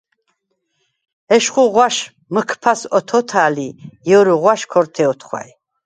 ეშხუ ღვაშ მჷქფას ოთო̄თა̄̈ლ ი ჲერუ ღვაშა̈რ ქორთე ოთხვა̈ჲ.